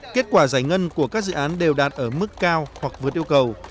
kết quả giải ngân của các dự án đều đạt ở mức cao hoặc vượt yêu cầu